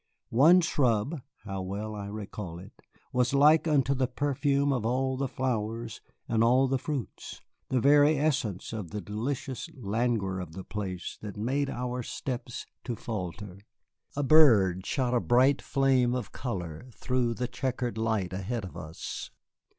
One shrub (how well I recall it!) was like unto the perfume of all the flowers and all the fruits, the very essence of the delicious languor of the place that made our steps to falter. A bird shot a bright flame of color through the checkered light ahead of us.